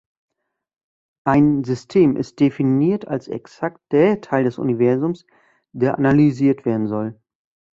Ein "System" ist definiert als exakt der Teil des Universums, der analysiert werden soll.